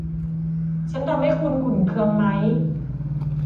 ฉันทำให้คุณขุ่นเคืองไหม